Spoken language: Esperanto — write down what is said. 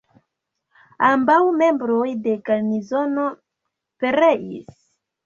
Ambaŭ membroj de garnizono pereis.